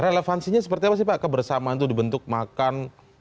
relevansinya seperti apa sih pak kebersamaan itu dibentuk makan